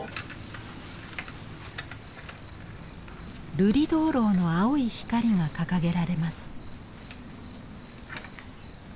瑠璃燈籠の青い光が掲げられます。